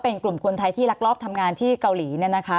เป็นกลุ่มคนไทยที่รักรอบทำงานที่เกาหลี